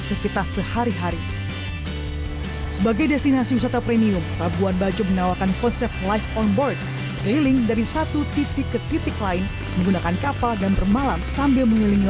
kota terkenal di indonesia adalah kota yang terkenal di indonesia